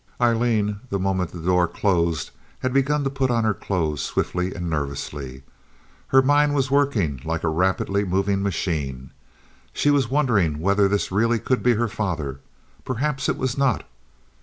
Aileen, the moment the door closed, had begun to put on her clothes swiftly and nervously. Her mind was working like a rapidly moving machine. She was wondering whether this really could be her father. Perhaps it was not.